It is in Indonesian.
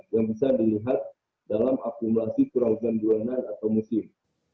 yang bisa dilihat dalam akumulasi curah hujan bulanan atau musim